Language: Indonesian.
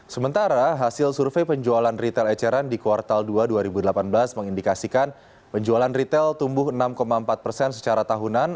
sementara hasil survei penjualan retail eceran di kuartal dua dua ribu delapan belas mengindikasikan penjualan retail tumbuh enam empat persen secara tahunan